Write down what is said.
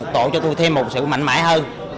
tổ cho tôi thêm một sự mạnh mẽ hơn